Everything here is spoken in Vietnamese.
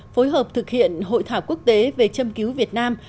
phối hợp thực hiện hội thảo quốc tế về châm cứu việt nam